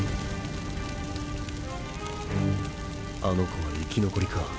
あの子は生き残りか。